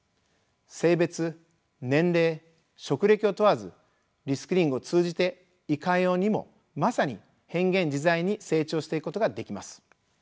性別・年齢・職歴を問わずリスキリングを通じていかようにもまさに変幻自在に成長していくことができます。